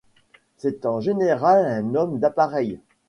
C'est en général un homme d'appareil.